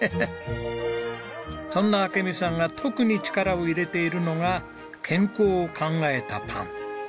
そんな明美さんが特に力を入れているのが健康を考えたパン。